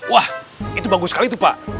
wah itu bagus sekali tuh pak